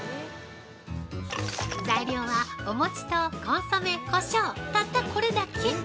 材料はお餅とコンソメ、こしょうたったこれだけ。